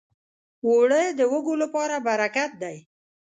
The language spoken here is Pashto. اوړه د وږو لپاره برکت دی